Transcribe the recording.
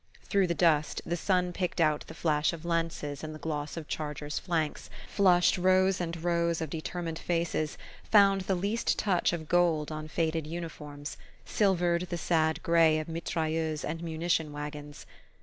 Through the dust, the sun picked out the flash of lances and the gloss of chargers' flanks, flushed rows and rows of determined faces, found the least touch of gold on faded uniforms, silvered the sad grey of mitrailleuses and munition waggons.